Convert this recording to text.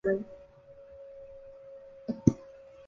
以及巴布亚新几内亚最大的村庄哈努阿巴达渔村。